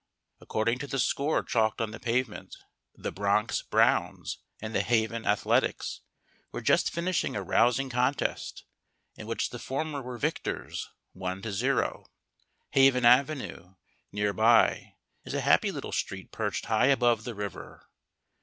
According to the score chalked on the pavement the "Bronx Browns" and the "Haven Athletics" were just finishing a rousing contest, in which the former were victors, 1 0. Haven Avenue, near by, is a happy little street perched high above the river.